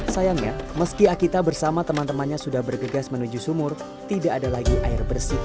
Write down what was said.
sayangnya meski akita bersama teman temannya sudah bergegas menuju sumur tidak ada lagi air bersih